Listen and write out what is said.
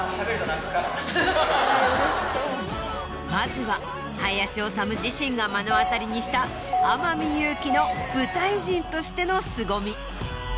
まずは林修自身が目の当たりにした天海祐希の舞台人としてのすごみ。